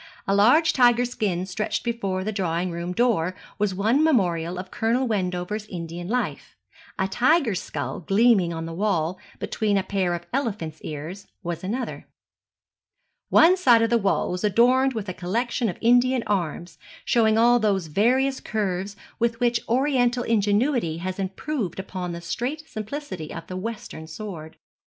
A large tiger skin stretched before the drawing room door was one memorial of Colonel Wendover's Indian life; a tiger's skull gleaming on the wall, between a pair of elephant's ears, was another. One side of the wall was adorned with a collection of Indian arms, showing all those various curves with which oriental ingenuity has improved upon the straight simplicity of the western sword.